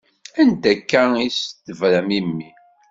Anda akka i s-tebram i mmi?